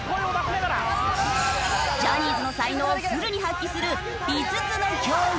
ジャニーズの才能をフルに発揮する５つの競技。